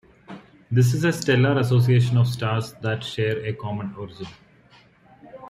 This is a stellar association of stars that share a common origin.